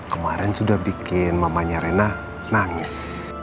kemarin sudah bikin mamanya rena nangis